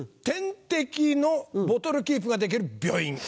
点滴のボトルキープができる病院。